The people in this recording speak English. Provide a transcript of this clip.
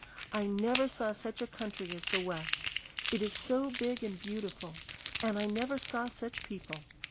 I never saw such a country as the West, it is so big and so beautiful, and I never saw such people.